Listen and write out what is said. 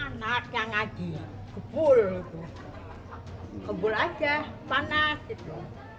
anak yang ngaji gebul kebul aja panas gitu